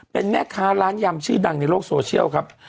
เป็นแม่ค้าร้านยำชื่อดังในโลกโซเชียลครับ